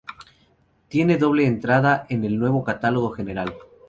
Tiene doble entrada en el Nuevo Catálogo General.